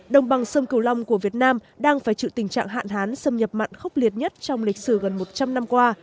đồng bằng sông cửu long của việt nam đang phải chịu tình trạng hạn hán xâm nhập mặn khốc liệt nhất trong lịch sử gần một trăm linh năm qua